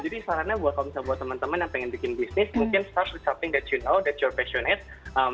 jadi sarannya kalau misalnya buat teman teman yang pengen bikin bisnis mungkin start with something that you know that you re passionate